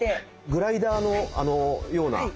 グライダーのような。